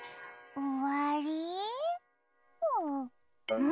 うん？